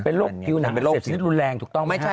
เป็นโรคผิวหนังอักเสบชนิดรุนแรงถูกต้องไหมคะ